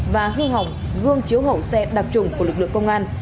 và hư hỏng gương chiếu hậu xe đặc trùng của lực lượng công an